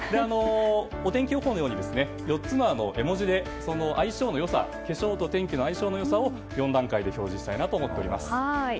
お天気予報のように４つの絵文字でその相性の良さ化粧と天気の良さを４段階で表示したいなと思っております。